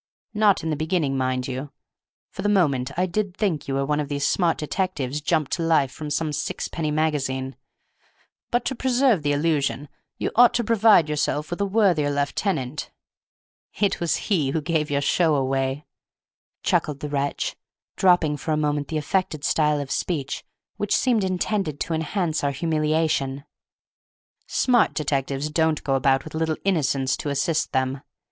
Not in the beginning, mind you! For the moment I did think you were one of these smart detectives jumped to life from some sixpenny magazine; but to preserve the illusion you ought to provide yourself with a worthier lieutenant. It was he who gave your show away," chuckled the wretch, dropping for a moment the affected style of speech which seemed intended to enhance our humiliation; "smart detectives don't go about with little innocents to assist them.